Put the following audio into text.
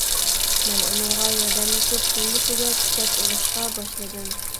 مەن ئۇنىڭغا ياردەملىشىپ دۈمبىسىگە كۈچەپ ئۇرۇشقا باشلىدىم.